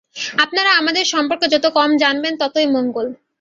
আপনারা আমাদের সম্পর্কে যত কম জানবেন ততই মঙ্গল।